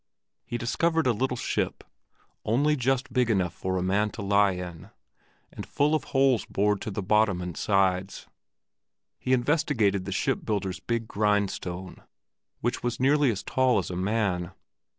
He discovered a little ship, only just big enough for a man to lie down in, and full of holes bored in the bottom and sides. He investigated the ship builders' big grind stone, which was nearly as tall as a man.